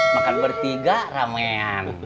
makan bertiga ramean